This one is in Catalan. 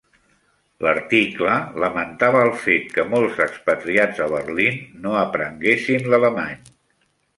L'article lamentava el fet que molts expatriats a Berlín no aprenguessin l'alemany.